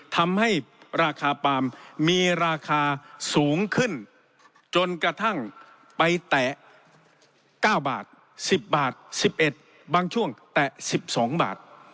ทำให้ราคาปามมีราคาสูงขึ้นจนกระทั่งไปแตะเก้าบาทสิบบาทสิบเอ็ดบางช่วงแตะสิบสองบาท